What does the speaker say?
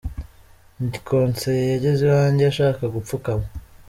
Ndi konseye yageze iwanjye ashaka gupfukama.